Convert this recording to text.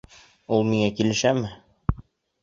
Ул миңә килешәме?